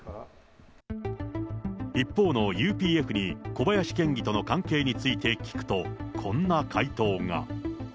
一方のＵＰＦに、小林県議との関係について聞くと、こんな回答が。